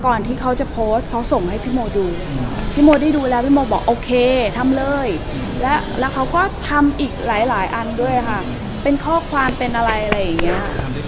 ที่เขาจะโพสต์เขาส่งให้พี่โมดูพี่โมได้ดูแล้วพี่โมบอกโอเคทำเลยแล้วเขาก็ทำอีกหลายอันด้วยค่ะเป็นข้อความเป็นอะไรอะไรอย่างนี้